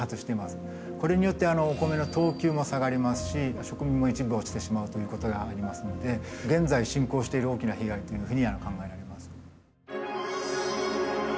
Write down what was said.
これによっておコメの等級も下がりますし食味も一部落ちてしまうということがありますので現在進行している大きな被害というふうには考えられます。